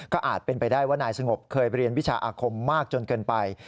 ก็อาจเป็นไปได้ว่านายสงบเคยเรียนวิชาอาคมมากจนเกินไป